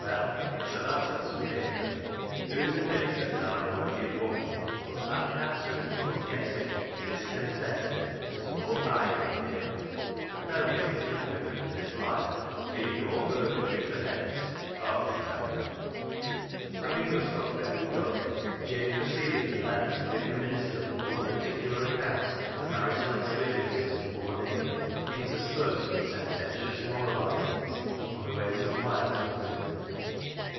Well, its o' thatunce wi' Nathan. Hoo's a dacent hard workin' woman, but that nattering, an' unyessy, an' discontented, ther's noa biding near her. A felley as has lived wi' her i' this loife 'ull need noa purgatory i' th' next, Aw con tell yo.' " Having thus got fairly going, Jabe pro ceeded at length to give the minister a full and particular account of the marital ex periences of poor Nathan, interspersed with sententious moralisings on the ways and wiles of women.